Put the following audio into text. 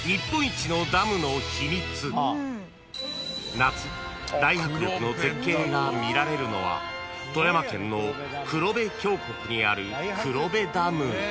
［夏大迫力の絶景が見られるのは富山県の黒部峡谷にある黒部ダム］